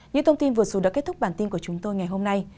những thông tin vừa rồi đã kết thúc bản tin của chúng tôi ngày hôm nay